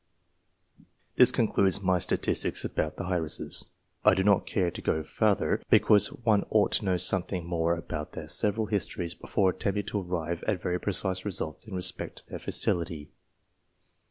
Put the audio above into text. This concludes my statistics about the heiresses. I do not care to go farther, because one ought to know some thing more about their several histories before attempting to arrive at very precise results in respect to their fertility.